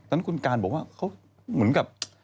นั้นคุณการบอกว่าเขาเหมือนกับ